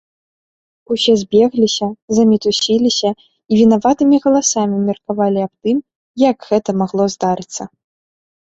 Усе збегліся, замітусіліся і вінаватымі галасамі меркавалі аб тым, як гэта магло здарыцца.